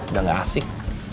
udah gak asik